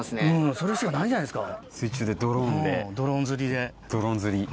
それしかないんじゃないですか。